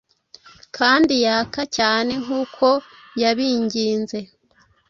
Kandi yaka- cyane nkuko yabinginze